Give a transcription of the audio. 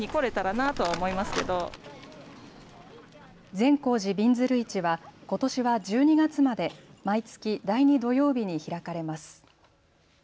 善光寺びんずる市はことしは１２月まで毎月第２土曜日に開かれます。